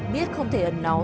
biết không thể ẩn náu